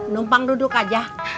numpang duduk aja